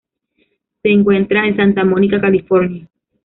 Se encuentra en Santa Monica, California.